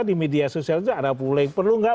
di media sosial itu ada puleng perlu gak